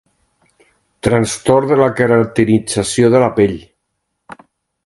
Trastorn de la queratinització de la pell.